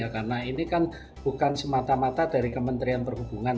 karena ini kan bukan semata mata dari kementerian perhubungan